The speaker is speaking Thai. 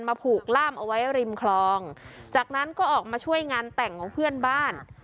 ผูกล่ามเอาไว้ริมคลองจากนั้นก็ออกมาช่วยงานแต่งของเพื่อนบ้าน